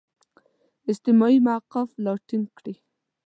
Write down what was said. اجتماعي موقف لا ټینګ کړي.